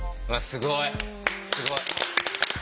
すごい。